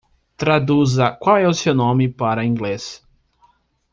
Traduza "qual é o seu nome?" para Inglês.